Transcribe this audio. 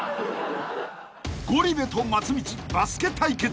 ［ゴリ部と松道バスケ対決］